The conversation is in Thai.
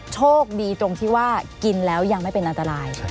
โชคดีตรงที่ว่ากินแล้วยังไม่เป็นอันตราย